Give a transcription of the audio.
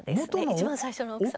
一番最初の奥様。